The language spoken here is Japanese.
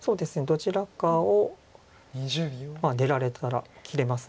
どちらかを出られたら切れます。